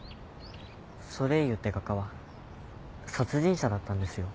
ソレーユって画家は殺人者だったんですよ。